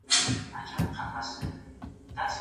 که انلاین ټولګي فعال وي، زده کوونکي یوازي نه پاته کېږي.